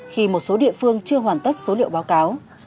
khi một số địa phương chưa hoàn tất số liệu báo cáo